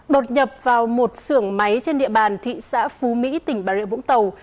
đột nhập vào một sưởng máy trên địa bàn thị xã phú mỹ tỉnh bà rịa vũng tàu